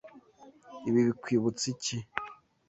Ibi bikwibutsa iki?